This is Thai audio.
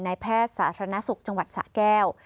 แพทย์สาธารณสุขจังหวัดสะแก้ว